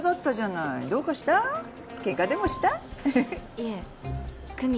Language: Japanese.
いえ久実